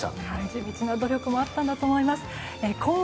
地道な努力もあったんだと思います。